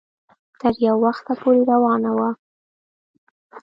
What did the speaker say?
تر يو وخته پورې روانه وه